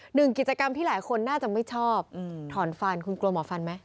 หนึ่งกิจกรรมที่หลายคนน่าจะไม่ชอบถอนฟันคุณกลัวหมอฟันไหม